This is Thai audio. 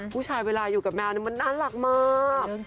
ผู้ชายเวลาอยู่กับแมวมันน่ารักมาก